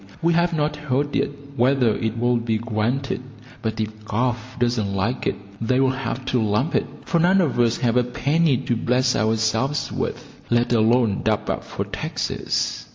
We have not heard yet whether it will be granted, but if Gov. doesn't like it, they'll have to lump it, for none of us have a penny to bless ourselves with, let alone dub up for taxes.